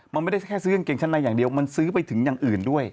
มันไม่ได้แค่ซื้อกางเกงชั้นในอย่างเดียวมันซื้อไปถึงอย่างอื่นด้วย